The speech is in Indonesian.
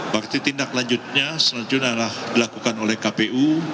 bakti tindak lanjutnya selanjutnya adalah dilakukan oleh kpu